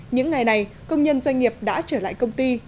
những ngày này công nhân doanh nghiệp đã trở lại công ty